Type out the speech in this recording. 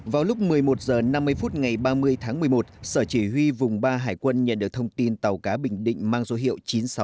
vào lúc một mươi một h năm mươi phút ngày ba mươi tháng một mươi một sở chỉ huy vùng ba hải quân nhận được thông tin tàu cá bình định mang dô hiệu chín mươi sáu nghìn ba trăm bốn mươi bốn